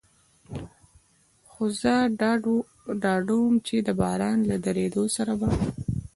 خو زه ډاډه ووم، چې د باران له درېدو سره به.